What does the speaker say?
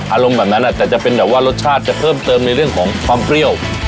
อารมณ์แบบนั้นแต่จะเป็นแบบว่ารสชาติจะเพิ่มเติมในเรื่องของความเปรี้ยว